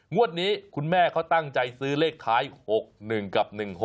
งวดนี้คุณแม่เขาตั้งใจซื้อเลขท้าย๖๑กับ๑๖๖